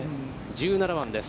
１７番です。